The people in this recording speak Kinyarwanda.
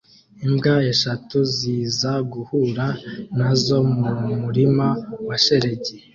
imbwa eshatu ziza guhura nazo mu murima wa shelegi